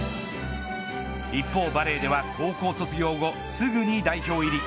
一方、バレーでは高校卒業後すぐに代表入り。